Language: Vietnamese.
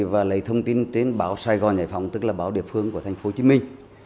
và lấy thông tin trên báo sài gòn giải phóng tức là báo địa phương của thành phố hồ chí minh